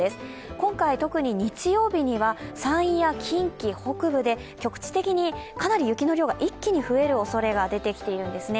今回、特に日曜日には山陰や近畿北部で局地的にかなり雪の量が一気に増えるおそれが出てきているんですね。